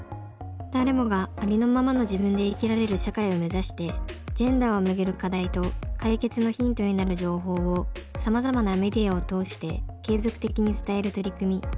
誰もがありのままの自分で生きられる社会を目指してジェンダーを巡る課題と解決のヒントになる情報をさまざまなメディアを通して継続的に伝える取り組み。